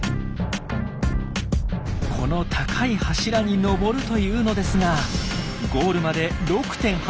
この高い柱に登るというのですがゴールまで６．８ｍ。